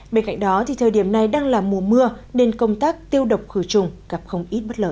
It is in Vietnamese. bên cạnh đó thì thời điểm này đang là mùa mưa nên công tác tiêu độc khử trùng gặp không ít bất lợi